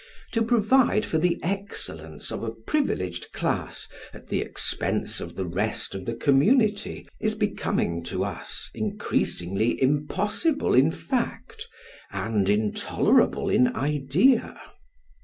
To provide for the excellence of a privileged class at the expense of the rest of the community is becoming to us increasingly impossible in fact and intolerable in idea.